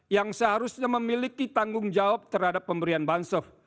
yang seharusnya memiliki tanggung jawab terhadap pemberian bansof